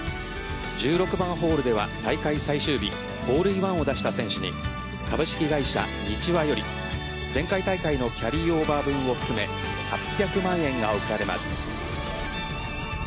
１６番ホールでは大会最終日ホールインワンを出した選手に株式会社ニチワより前回大会のキャリーオーバー分を含め８００万円が贈られます。